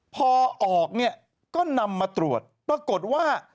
พอออกก็นำมาตรวจปรากฏว่า